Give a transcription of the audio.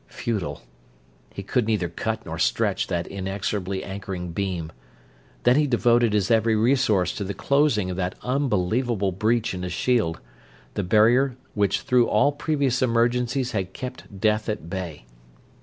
Futile. He could neither cut nor stretch that inexorably anchoring beam. Then he devoted his every resource to the closing of that unbelievable breach in his shield; the barrier which through all previous emergencies had kept death at bay.